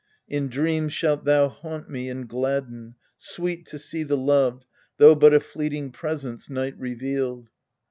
In dreams shalt thou Haunt me and gladden : sweet to see the loved, Though but a fleeting presence night revealed.